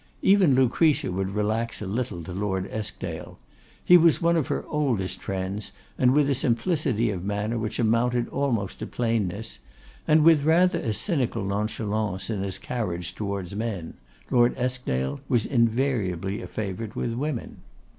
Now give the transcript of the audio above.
Even Lucretia would relax a little to Lord Eskdale. He was one of her oldest friends, and with a simplicity of manner which amounted almost to plainness, and with rather a cynical nonchalance in his carriage towards men, Lord Eskdale was invariably a favourite with women.